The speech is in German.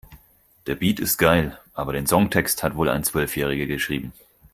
Der Beat ist geil, aber den Songtext hat wohl ein Zwölfjähriger geschrieben.